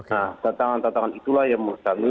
nah tantangan tantangan itulah yang